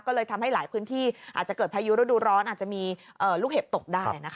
ก็เลยทำให้หลายพื้นที่อาจจะเกิดพายุฤดูร้อนอาจจะมีลูกเห็บตกได้นะคะ